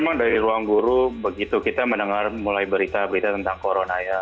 memang dari ruang guru begitu kita mendengar mulai berita berita tentang corona ya